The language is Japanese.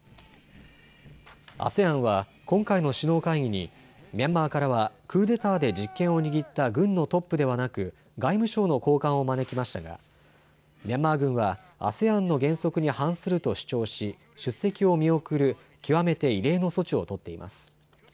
ＡＳＥＡＮは今回の首脳会議にミャンマーからはクーデターで実権を握った軍のトップではなく外務省の高官を招きましたがミャンマー軍はＡＳＥＡＮの原則に反すると主張し、出席を見送る極めて異例の措置を取っています。